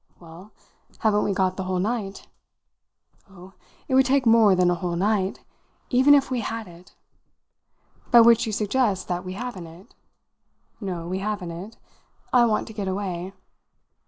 "Well, haven't we got the whole night?" "Oh, it would take more than the whole night even if we had it!" "By which you suggest that we haven't it?" "No we haven't it. I want to get away."